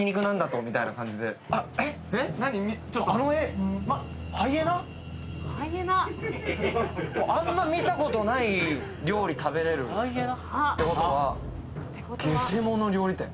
えっ⁉あんま見たことない料理食べれるってことはゲテモノ料理店。